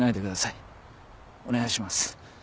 お願いします。